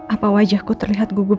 apa wajahku terlihat gugup